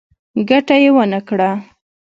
ګټه یې ونه کړه.